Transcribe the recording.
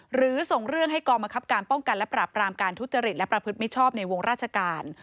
หรือส่งเรื่องให้กองบังคับการป้องกันและปราบรามการทุจริตและประพฤติมิชชอบในวงราชการ